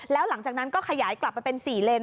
แล้วหลังจากนั้นก็ขยายกลับมาเป็น๔เลน